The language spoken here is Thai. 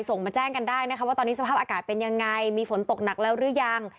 ส่งมาแจ้งกันได้นะคะว่าตอนนี้สภาพอากาศเป็นยังไงมีฝนตกหนักแล้วหรือยัง